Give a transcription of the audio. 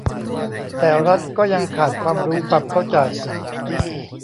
แต่รัฐก็ยังขาดความรู้ความเข้าใจ